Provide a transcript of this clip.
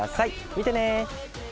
見てね！